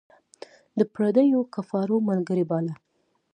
د پردیو کفارو ملګری باله.